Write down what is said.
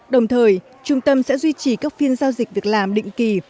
đồng thời trung tâm sẽ duy trì các phiên giao dịch việc làm định kỳ